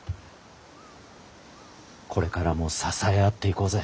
これからも支え合っていこうぜ。